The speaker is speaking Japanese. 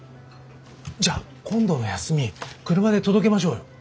じゃあ今度の休み車で届けましょうよ。